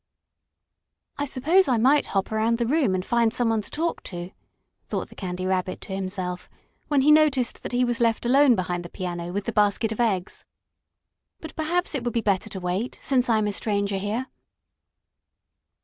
"I suppose I might hop around the room and find some one to talk to," thought the Candy Rabbit to himself, when he noticed that he was left alone behind the piano with the basket of eggs. "But perhaps it would be better to wait, since I am a stranger here."